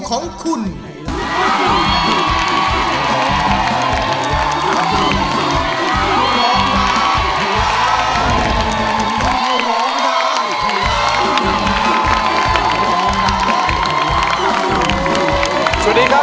ร้องได้ให้ร้าง